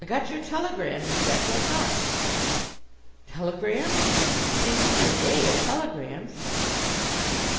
"I got your telegram," he said, "what's up?" Telegram? It seemed to be a day of telegrams.